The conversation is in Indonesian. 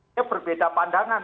ini berbeda pandangan